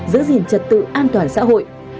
giữ gìn chất tự an toàn xã hội